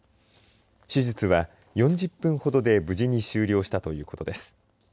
手術は４０分ほどで無事に終了したということです。